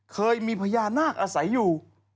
เคยมีพญานาคอาศัยอยู่